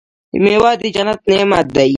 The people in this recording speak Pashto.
میوه د جنت نعمت دی.